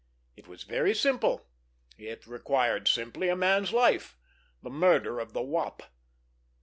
It was very simple. It required simply a man's life—the murder of the Wop.